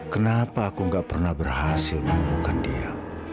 kenapa aku gak pernah berhasil menemukan dia